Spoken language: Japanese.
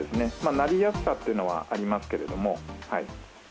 なりやすさっていうのはありますけれども。